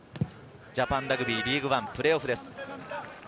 ジャパンラグビーリーグワンプレーオフです。